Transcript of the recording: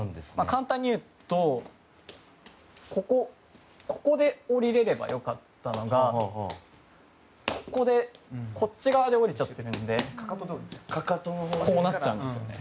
簡単に言うとここで降りれれば良かったのがここで、こっち側で降りちゃってるのでこうなっちゃうんです。